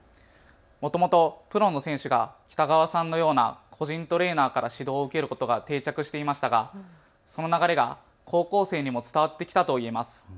もともとプロの選手が北川さんのような個人トレーナーから指導を受けることが定着していましたが、その流れが高校生にも伝わってきたといえます。